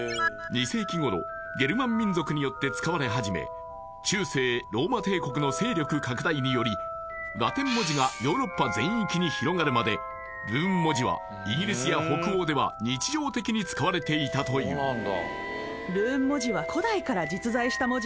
２世紀頃ゲルマン民族によって使われはじめ中世ローマ帝国の勢力拡大によりラテン文字がヨーロッパ全域に広がるまでルーン文字はイギリスや北欧では日常的に使われていたという平川さん